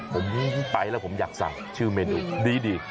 ผมไปแล้วผมอยากสั่งชื่อเมนูดี